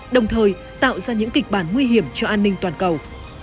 đồng thời tạo ra những kịch bản nguy hiểm cho an ninh toàn cầu